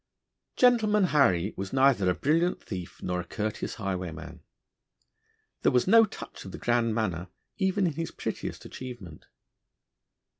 'Gentleman Harry' was neither a brilliant thief nor a courteous highwayman. There was no touch of the grand manner even in his prettiest achievement.